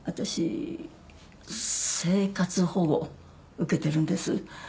生活保護受けてるんです。